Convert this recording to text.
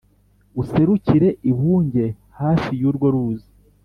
Userukire i Bunge hafi y'urwo ruzi